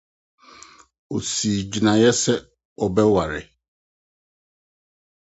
Wosii gyinae sɛ wɔbɛware.